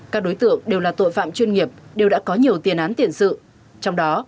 các đối tượng đều là tội phạm chuyên nghiệp đều đã có nhiều tiền án tiền sự trong đó